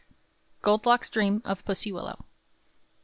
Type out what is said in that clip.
GOLD LOCKS' DREAM OF PUSSIE WILLOW.